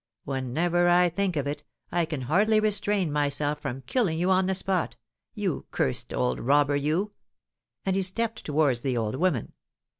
Whenever I think of it, I can hardly restrain myself from killing you on the spot you cursed old robber, you!" and he stepped towards the old woman.